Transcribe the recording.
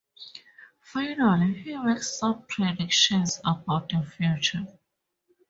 Finally, he makes some predictions about the future.